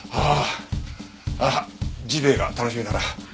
ああジビエが楽しみだな。